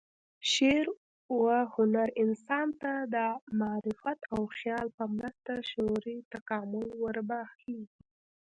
شعر و هنر انسان ته د معرفت او خیال په مرسته شعوري تکامل وربخښي.